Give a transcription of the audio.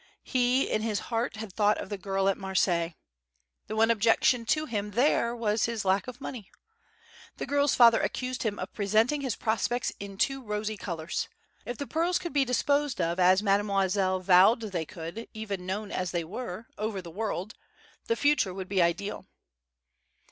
He, in his heart, had thought of the girl at Marseilles. The one objection to him there was his lack of money. The girl's father accused him of presenting his prospects in too rosy colours. If the pearls could be disposed of as Mademoiselle vowed they could even known as they were, over the world, the future would be ideal.